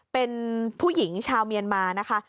เป็นผู้หญิงชาวเมียนมานะคะ